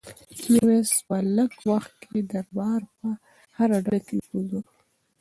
میرویس په لږ وخت کې د دربار په هره ډله کې نفوذ وکړ.